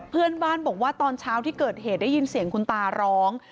เพื่อนบ้านบอกว่าตอนเช้าที่เกิดเหตุได้ยินเสียงคุณตาร้อง